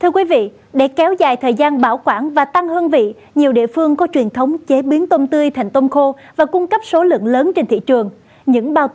các bạn hãy đăng ký kênh để ủng hộ kênh của chúng mình nhé